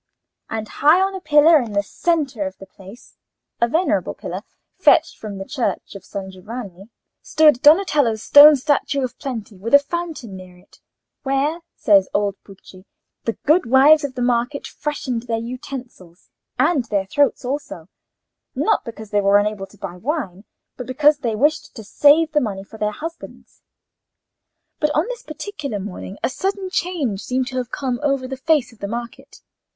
And high on a pillar in the centre of the place—a venerable pillar, fetched from the church of San Giovanni—stood Donatello's stone statue of Plenty, with a fountain near it, where, says old Pucci, the good wives of the market freshened their utensils, and their throats also; not because they were unable to buy wine, but because they wished to save the money for their husbands. But on this particular morning a sudden change seemed to have come over the face of the market.